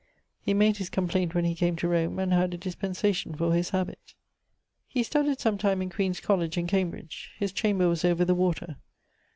He made his complaint when he came to Rome, and had a dispensation for his habit. He studied sometime in Queens Colledge in Cambridge: his chamber was over the water.